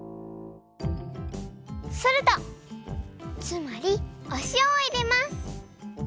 つまりおしおをいれます！